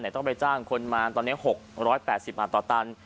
ต้องไปจ้างคนมาตอนนี้๖๘๐บาทต่อตัน